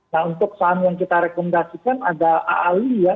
nah untuk saham yang kita rekomendasikan ada aali ya